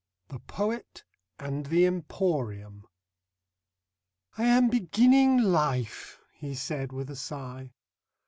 THE POET AND THE EMPORIUM "I am beginning life," he said, with a sigh.